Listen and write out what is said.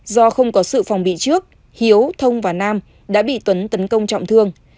do không có sự phòng bị trước hiếu thông và nam đã bị tuấn tấn công trọng thương